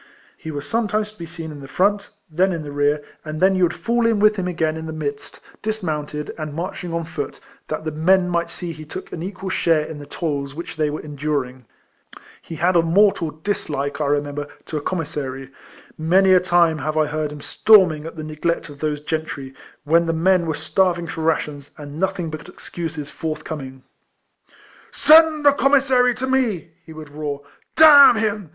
He was sometimes to be seen in the front, then in the rear, and then you would fall in with him again in the midst, dis mounted, and marching on foot, that the men might see he took an equal share in the 208 RECOLLECTIONS OF toils which they were enduring. He had a mortal dislike, I remember, to a com missary. Many a time have I heard him storming at the neglect of those gentry, when the men were starving for rations, and nothing but excuses forthcoming. " Send the commissary to me !" he would roar. " D — n him !